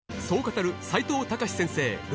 そう語る齋藤孝先生